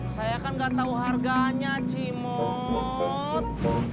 saya kan gak tau harganya ci mot